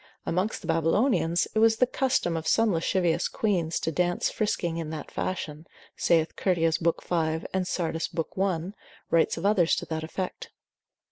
Amongst the Babylonians, it was the custom of some lascivious queans to dance frisking in that fashion, saith Curtius lib. 5. and Sardus de mor. gent. lib. 1. writes of others to that effect.